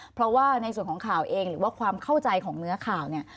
เพราะว่าในส่วนของข่าวเองหรือว่าความเข้าใจของเนื้อข่าวเนี่ย